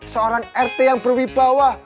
seorang rt yang berwibawa